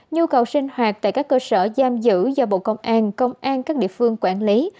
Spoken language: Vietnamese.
nhu cầu sinh hoạt tại các cơ sở giam giữ do bộ công an công an các địa phương quản lý